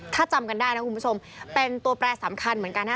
ถ้าจำกันได้นะคุณผู้ชมเป็นตัวแปรสำคัญเหมือนกันนะ